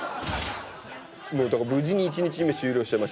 もうだから無事に１日目終了しちゃいましたね。